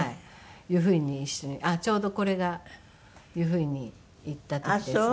湯布院に一緒にあっちょうどこれが湯布院に行った時ですね。